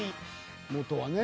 元はね。